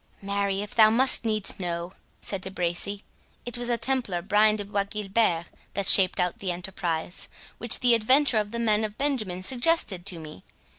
"Marry, if thou must needs know," said De Bracy, "it was the Templar Brian de Bois Guilbert that shaped out the enterprise, which the adventure of the men of Benjamin suggested to me.